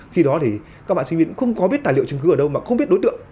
khi đó thì các bạn sinh viên cũng không có biết tài liệu chứng cứ ở đâu mà không biết đối tượng